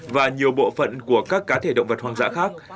và nhiều bộ phận của các cá thể động vật hoang dã khác